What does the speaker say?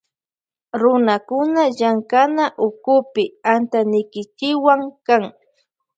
Runakuna llamkanawkupika antanikichikwan kan.